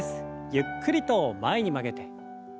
ゆっくりと前に曲げて。